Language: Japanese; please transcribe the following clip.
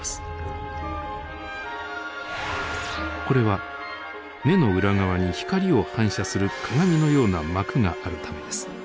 これは目の裏側に光を反射する鏡のような膜があるためです。